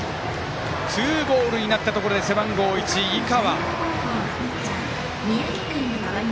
ツーボールになったところで背番号１、井川。